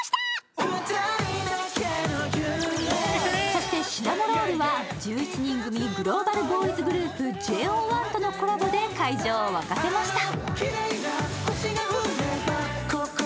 そして、シナモロールは１１人組グローバルボーイズグループ、ＪＯ１とのコラボで会場を沸かせました。